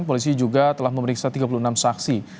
polisi juga telah memeriksa tiga puluh enam saksi